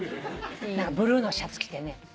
ブルーのシャツ着てね